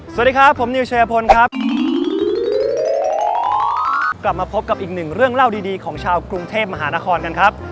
สวัสดีครับผมนิวชัยพลครับกลับมาพบกับอีกหนึ่งเรื่องเล่าดีดีของชาวกรุงเทพมหานครกันครับ